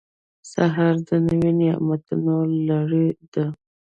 سهار د نوي نعمتونو لړۍ ده.